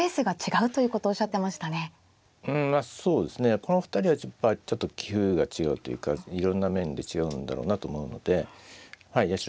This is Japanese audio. この２人はちょっと棋風が違うというかいろんな面で違うんだろうなと思うのではい八代